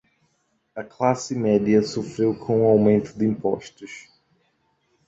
A classe média sofreu com o aumento de impostos